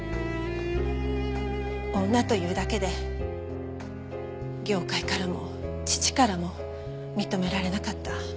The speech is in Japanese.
女というだけで業界からも父からも認められなかった。